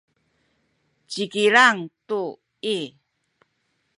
ci Kilang tu i